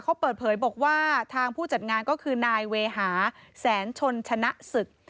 เขาเปิดเผยบอกว่าทางผู้จัดงานก็คือนายเวหาแสนชนชนะศึก